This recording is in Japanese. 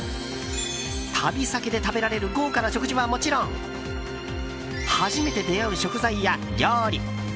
旅先で食べられる豪華な食事はもちろん初めて出会う食材や料理